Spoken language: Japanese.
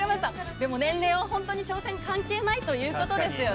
でも、年齢は本当に挑戦と関係ないということですよね。